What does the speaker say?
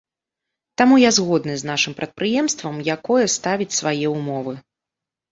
Таму я згодны з нашым прадпрыемствам, якое ставіць свае ўмовы.